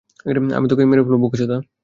আমি তোকে মেরেই ফেলবো, বোকাচোদা!